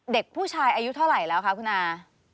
เด็กผู้ชายอายุเท่าไหร่แล้วคะคุณอา